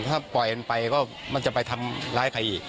ถ้าปล่อยมันไปก็มันจะไปทำร้ายใครอีก